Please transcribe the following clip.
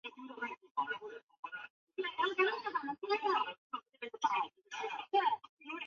这原理可以帮助分析正在运动中的某连杆所感受到的作用力。